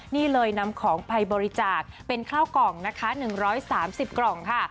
นี่เลยนำของไปบริจาคเป็นข้าวกล่องนะคะ๑๓๐กล่องค่ะ